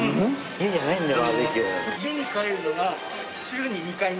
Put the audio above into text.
家じゃないんだよ